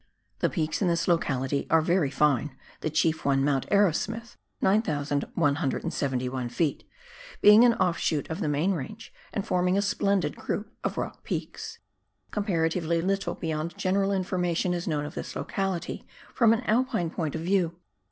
The peaks in this locality are very fine, the chief one, Mount Arrowsmith, 9,171 ft., being an offshoot of the main range and forming a splendid group of rock peaks. Comparatively little beyond general informa tion is known of this locality from an Alpine point of view.